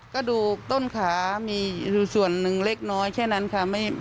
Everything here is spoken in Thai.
กระดูกต้นขามีส่วนหนึ่งเล็กน้อยแค่นั้นค่ะยังไม่ได้ครบนะ